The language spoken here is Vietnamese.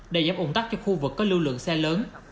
để giảm ủng tắc cho khu vực có lưu lượng xe lớn